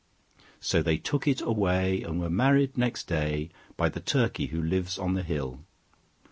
So they took it away, and were married next day By the Turkey who lives on the hill.